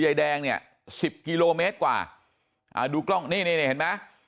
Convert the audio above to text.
ใยแดงเนี่ย๑๐กิโลเมตรกว่าดูกล้องนี่เห็นไหม